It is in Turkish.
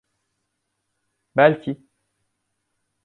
Belki…